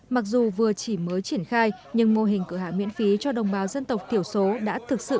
mặc dù vừa chỉ mới triển khai nhưng mô hình cửa hàng miễn phí cho đồng bào dân tộc thiểu số đã thực sự